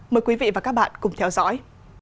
mời quý vị và các bạn cùng theo dõi